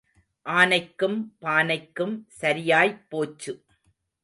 ஆனைக்கும் பானைக்கும் சரியாய்ப் போச்சு.